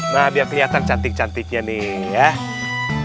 nah biar kelihatan cantik cantiknya nih ya